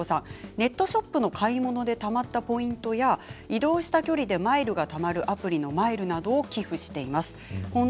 ネットショップの買い物でたまったポイントや移動した距離でマイルがたまるアプリなどを使っています。